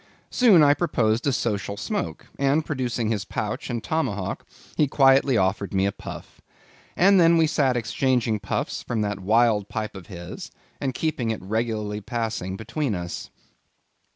Soon I proposed a social smoke; and, producing his pouch and tomahawk, he quietly offered me a puff. And then we sat exchanging puffs from that wild pipe of his, and keeping it regularly passing between us.